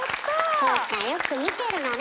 そうかよく見てるのね